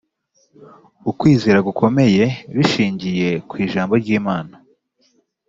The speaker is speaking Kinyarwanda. ukwizera gukomeye bishingiye ku ijambo ry imana